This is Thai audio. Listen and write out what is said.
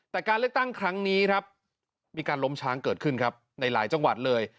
แต่การเลือกตั้งครั้งนี้ครับมีการล้มช้างเกิดขึ้นครับในหลายจังหวัดเลย